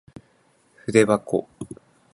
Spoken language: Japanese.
ふでばこ